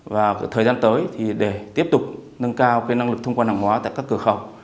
và thời gian tới thì để tiếp tục nâng cao năng lực thông quan hàng hóa tại các cửa khẩu